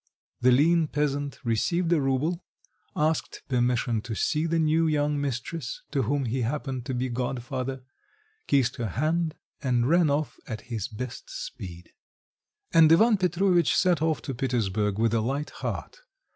The lean peasant received a rouble, asked permission to see the new young mistress, to whom he happened to be godfather, kissed her hand and ran off at his best speed. And Ivan Petrovitch set off to Petersburg with a light heart.